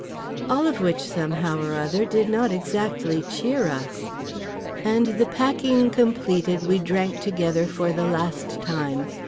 All of which, somehow or other, did not exactly cheer us. And, the packing completed, we drank together for The Last Time.